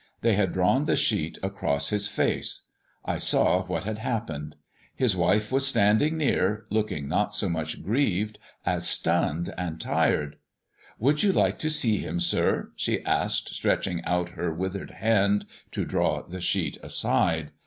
They had drawn the sheet across his face: I saw what had happened. His wife was standing near, looking not so much grieved as stunned and tired. "Would you like to see him, sir?" she asked, stretching out her withered hand to draw the sheet aside.